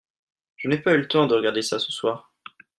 je n'ai pas eu le temps de regarder ça ce soir.